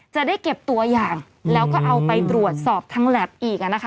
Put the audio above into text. จะได้เก็บตัวอย่างแล้วก็เอาไปตรวจสอบทางแล็บอีก